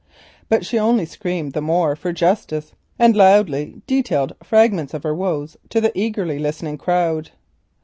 But she only screamed the more for justice, and loudly detailed fragments of her woes to the eagerly listening crowd.